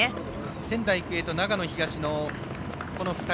仙台育英と長野東の２人。